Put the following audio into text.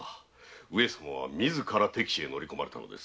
上様は自ら敵地に乗りこまれたのです。